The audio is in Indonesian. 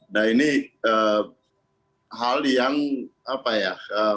nah ini hal yang apa ya